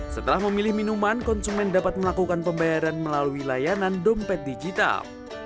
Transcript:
setelah memilih minuman konsumen dapat melakukan pembayaran melalui layanan dompet digital